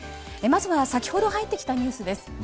まずは先ほど入ってきたニュースです。